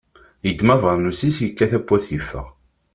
Yeddem abernus-is, yekka tawwurt yeffeɣ.